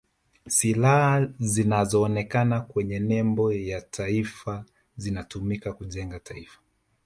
silaha zinazoonekana kwenye nembo ya taifa zinatumika kujenga taifa